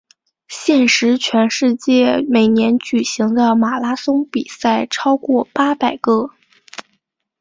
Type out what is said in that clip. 现时全世界每年举行的马拉松比赛超过八百个。